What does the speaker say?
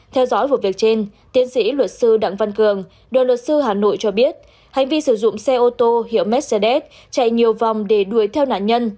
theo dõi vụ việc trên tiến sĩ luật sư đặng văn cường đoàn luật sư hà nội cho biết hành vi sử dụng xe ô tô hiệu mercedes chạy nhiều vòng để đuổi theo nạn nhân